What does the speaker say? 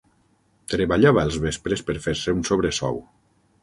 Treballava els vespres per fer-se un sobresou.